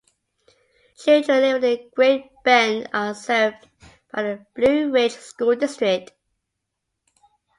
Children living in Great Bend are served by the Blue Ridge School District.